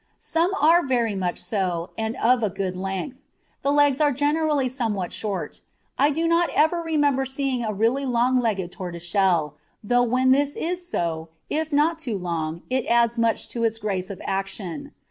Some are very much so, and of a good length; the legs are generally somewhat short; I do not ever remember seeing a really long legged tortoiseshell, though when this is so if not too long it adds much to its grace of action.